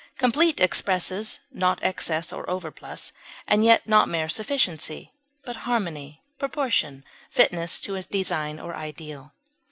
Complete expresses not excess or overplus, and yet not mere sufficiency, but harmony, proportion, fitness to a design, or ideal.